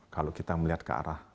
kalau kita melihat ke arah